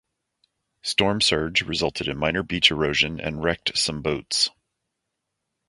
Storm surge resulted in minor beach erosion and wrecked some boats.